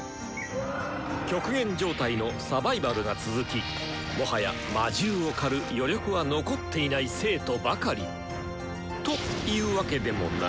極限状態のサバイバルが続きもはや魔獣を狩る余力は残っていない生徒ばかりというわけでもない！